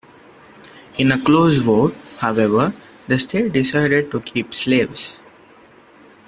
In a close vote, however, the state decided to keep slaves.